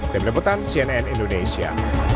tim lebutan cnn indonesia